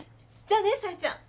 じゃあね冴ちゃん。